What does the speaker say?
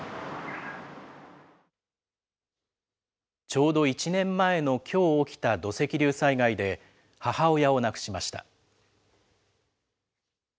ちょうど１年前のきょう起きた土石流災害で、母親を亡くしました。